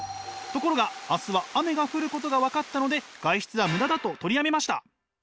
ところが明日は雨が降ることが分かったので外出はムダだと取りやめました。